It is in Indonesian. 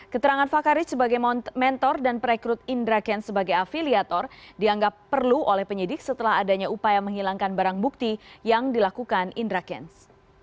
keterangan fakar riz sebagai mentor dan perekrut indra kent sebagai afiliator dianggap perlu oleh penyidik setelah adanya upaya menghilangkan barang bukti yang dilakukan indra kents